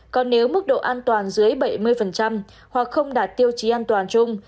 còn nếu mức độ an toàn dưới bảy mươi hoặc không đạt tiêu chí an toàn chung